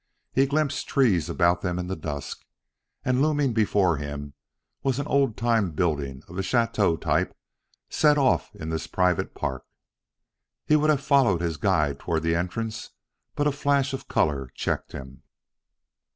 He glimpsed trees about them in the dusk, and looming before him was an old time building of the chateau type set off in this private park. He would have followed his guide toward the entrance, but a flash of color checked him.